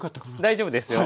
大丈夫ですよ。